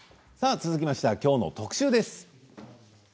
続きましては、きょうの特集です。